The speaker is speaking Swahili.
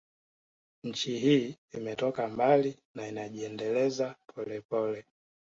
Nchi hii imetoka mbali na inajiendeleza polepole